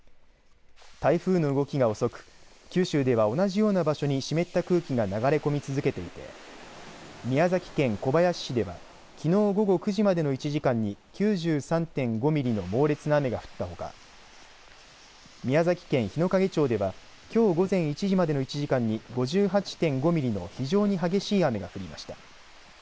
台風の動きが遅く九州では同じような場所に湿った空気が流れ込み続けていて宮崎県小林市ではきのう午後９時までの１時間に９３．５ミリの猛烈な雨が降ったほか宮崎県日之影町ではきょう午前１時までの１時間に５８．５ミリの非常に激しい雨が降りました。